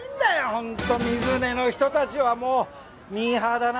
ホント水根の人たちはもうミーハーだな。